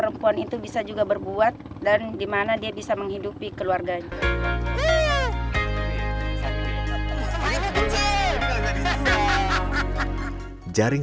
rumput laut terbesar di kecamatan makrang